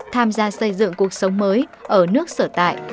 tham gia xây dựng cuộc sống mới ở nước sở tại